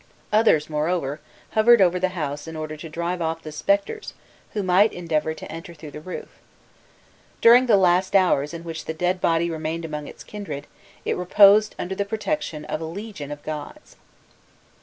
Others, moreover, hovered over the house in order to drive off the spectres who might endeavour to enter through the roof. During the last hours in which the dead body remained among its kindred, it reposed under the protection of a legion of gods.